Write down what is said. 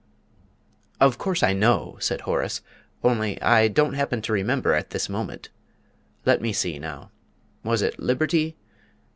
"Of course I know," said Horace, "only I don't happen to remember at this moment. Let me see, now. Was it Liberty?